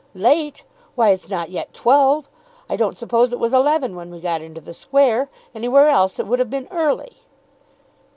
"Late! Why it's not yet twelve. I don't suppose it was eleven when we got into the Square. Anywhere else it would have been early."